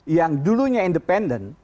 yang dulunya independen